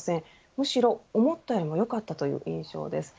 むしろ思ったよりもよかったという印象です。